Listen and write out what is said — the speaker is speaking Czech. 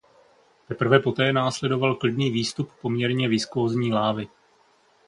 Teprve poté následoval klidný výstup poměrně viskózní lávy.